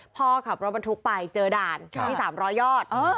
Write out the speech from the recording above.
พ่อค่ะบริมทุกข์ไปเจอด่านที่สามร้อยยอด